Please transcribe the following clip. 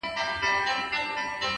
وخت هوښیارانو ته ارزښت لري’